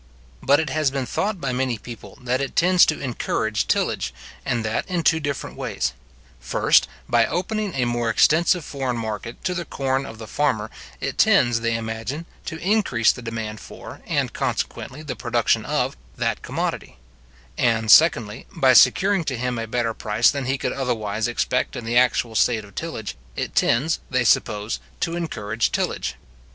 But it has been thought by many people, that it tends to encourage tillage, and that in two different ways; first, by opening a more extensive foreign market to the corn of the farmer, it tends, they imagine, to increase the demand for, and consequently the production of, that commodity; and, secondly by securing to him a better price than he could otherwise expect in the actual state of tillage, it tends, they suppose, to encourage tillage.